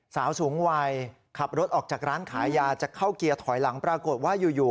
สาวสูงวัยขับรถออกจากร้านขายยาจะเข้าเกียร์ถอยหลังปรากฏว่าอยู่